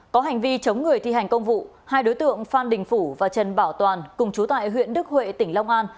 có hành vi chống người thi hành công vụ hai đối tượng phan đình phủ và trần bảo toàn cùng chú tại huyện đức huệ tỉnh long an